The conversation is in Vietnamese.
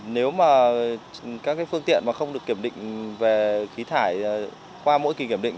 nếu mà các phương tiện mà không được kiểm định về khí thải qua mỗi kỳ kiểm định